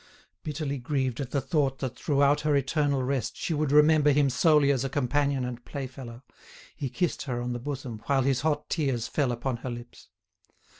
Bitterly grieved at the thought that throughout her eternal rest she would remember him solely as a companion and playfellow, he kissed her on the bosom while his hot tears fell upon her lips.